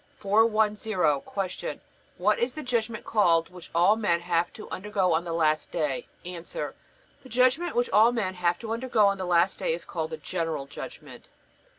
410. Q. What is the judgment called which all men have to undergo on the last day? A. The judgment which all men have to undergo on the last day is called the General Judgment.